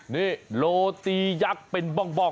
นี่โรตียักษ์เป็นบ้อง